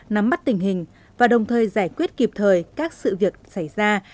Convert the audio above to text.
nắm mắt tình hình và đồng thời giải quyết kịp thời các sự việc xảy ra